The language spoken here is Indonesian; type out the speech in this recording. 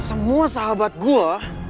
semua sahabat gue